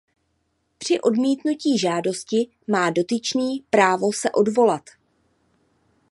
Při odmítnutí žádosti má dotyčný právo se odvolat.